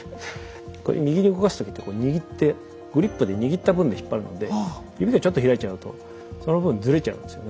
こう右に動かす時って握ってグリップで握った分で引っ張るので指がちょっと開いちゃうとその分ずれちゃうんですよね。